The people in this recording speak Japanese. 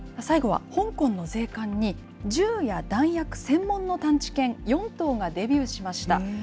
最後は、香港の税関に銃や弾薬専門の探知犬４頭がデビューしました。